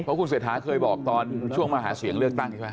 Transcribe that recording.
เพราะคุณเศรษฐาเคยบอกตอนช่วงมาหาเสียงเลือกตั้งใช่ไหม